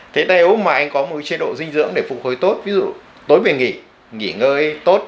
thế nếu mà anh có một chế độ dinh dưỡng để phục hồi tốt ví dụ tối về nghỉ nghỉ ngơi tốt